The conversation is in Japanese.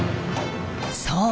そう。